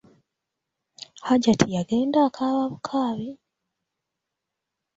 Hajati yagenda akaaba bukaabi!